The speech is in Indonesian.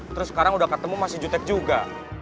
terus sekarang udah ketemu masih jutek juga